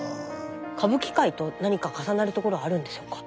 歌舞伎界と何か重なるところあるんでしょうか？